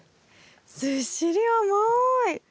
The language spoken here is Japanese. ずっしり重い！